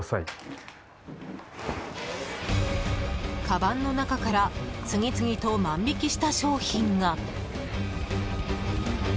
かばんの中から次々と万引きした商品が。